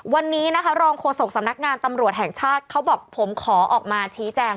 วันนี้นะคะรองโฆษกสำนักงานตำรวจแห่งชาติเขาบอกผมขอออกมาชี้แจง